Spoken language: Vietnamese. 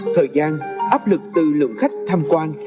thời gian áp lực từ lượng khách tham quan